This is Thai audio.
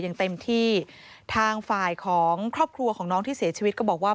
อย่างเต็มที่ทางฝ่ายของครอบครัวของน้องที่เสียชีวิตก็บอกว่า